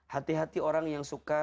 hati hati orang yang suka